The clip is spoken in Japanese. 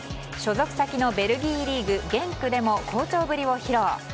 所属先のベルギーリーグゲンクでも好調ぶりを披露。